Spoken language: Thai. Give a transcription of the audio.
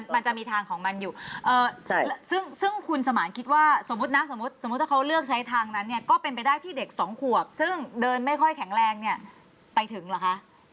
มันจะมีทางของมันอยู่ซึ่งคุณสมานคิดว่าสมมุตินะสมมุติถ้าเขาเลือกใช้ทางนั้นเนี่ยก็เป็นไปได้ที่เด็กสองขวบซึ่งเดินไม่ค่อยแข็งแรงเนี่ยไปถึงเหรอคะ